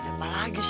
ada apa lagi sih